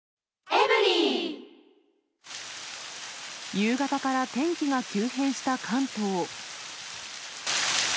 夕方から天気が急変した関東。